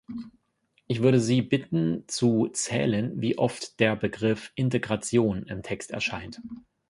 Ich würde sie bitten zu zählen, wie oft der Begriff "Integration" im Text erscheint.